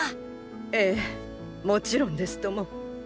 ええもちろんですとも。